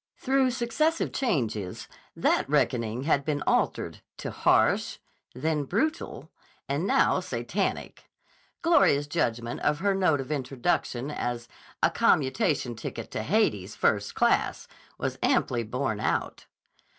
Through successive changes that reckoning had been altered to "harsh," then "brutal," and now "Satanic." Gloria's judgment of her note of introduction as "a commutation ticket to Hades, first class," was amply borne out.